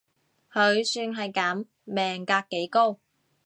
佢算係噉，命格幾高